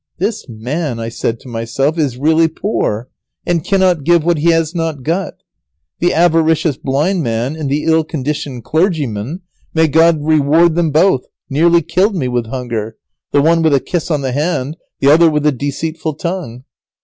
"This man," I said to myself, "is really poor, and cannot give what he has not got. The avaricious blind man and the ill conditioned clergyman, may God reward them both! nearly killed me with hunger, the one with a kiss on the hand, the other with a deceitful tongue.